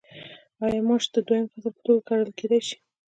آیا ماش د دویم فصل په توګه کرل کیدی شي؟